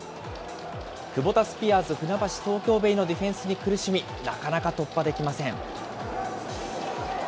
クボタスピアーズ船橋・東京ベイのディフェンスに苦しみ、なかなか突破できません。